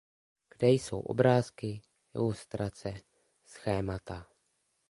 Kde jsou obrázky, ilustrace, schémata.